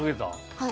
はい。